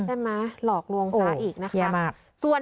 ใช่มั้ยหลอกลวงซ้าอีกนะคะแย่มาก